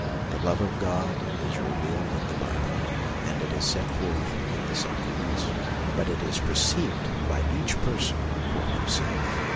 The love of God is re vealed in the Bible, and it is set forth in the sacraments, but it is perceived by each person for himself.